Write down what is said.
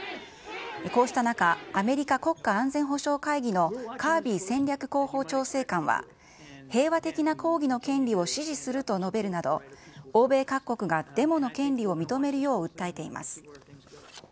こうした中、アメリカ国家安全保障会議のカービー戦略広報調整官は、平和的な抗議の権利を支持すると述べるなど、欧米各国がデモの権利を認めるよう訴えています。